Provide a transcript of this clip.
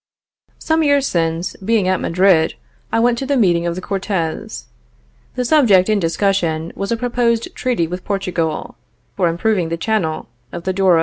Some years since, being at Madrid, I went to the meeting of the Cortes. The subject in discussion was a proposed treaty with Portugal, for improving the channel of the Douro.